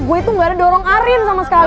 gue itu gak ada dorong arin sama sekali